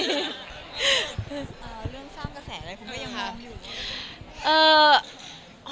เรื่องสร้างกระแสอะไรคุณลูกค้า